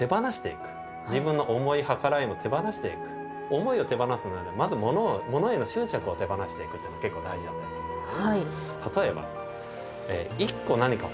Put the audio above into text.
思いを手放すにはまず物への執着を手放していくというのが結構大事だったりするんですね。